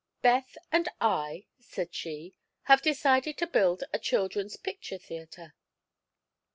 "Beth and I," said she, "have decided to build a Children's Picture Theatre."